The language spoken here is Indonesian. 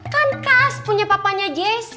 kan khas punya papanya jessi